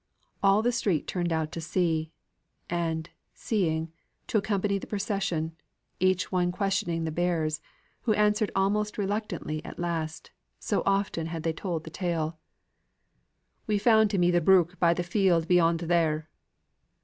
All the street turned out to see, and, seeing, to accompany the procession, each one questioning the bearers, who answered almost reluctantly at last, so often had they told the tale. "We found him i' th' brook in the field beyond there."